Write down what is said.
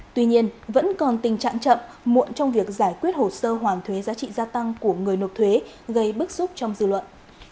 tuy nhiên vẫn còn tình trạng chậm muộn trong việc giải quyết hồ sơ hoàn thuế giá trị gia tăng của người nộp thuế gây bức xúc trong dư luận